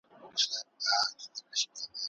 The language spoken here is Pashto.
سياستپوهنه د وګړو ترمنځ پر اړيکو واکمني لري.